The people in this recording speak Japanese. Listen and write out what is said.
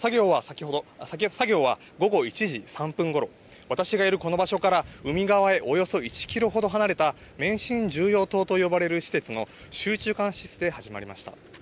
作業は午後１時３分ごろ私がいるこの場所から海側へおよそ１キロほど離れた免震重要棟と呼ばれる施設の集中監視室で始まりました。